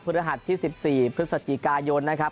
ฤหัสที่๑๔พฤศจิกายนนะครับ